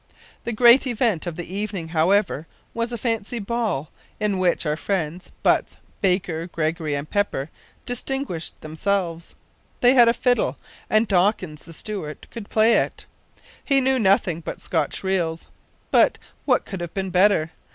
The great event of the evening, however, was a fancy ball, in which our friends Butts, Baker, Gregory, and Pepper distinguished themselves. They had a fiddle, and Dawkins the steward could play it. He knew nothing but Scotch reels; but what could have been better?